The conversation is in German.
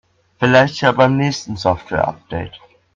Vielleicht ja beim nächsten Softwareupdate.